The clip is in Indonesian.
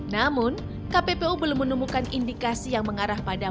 namun kppu belum menemukan indikasi yang mengarah pada